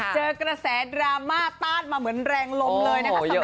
เจอกระแสดราม่าต้านมาเหมือนแรงลมเลยนะครับ